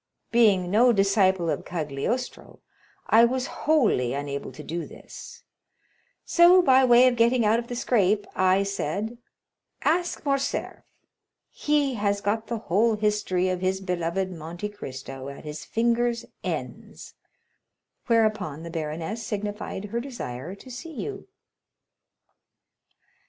Being no disciple of Cagliostro, I was wholly unable to do this; so, by way of getting out of the scrape, I said, 'Ask Morcerf; he has got the whole history of his beloved Monte Cristo at his fingers' ends;' whereupon the baroness signified her desire to see you."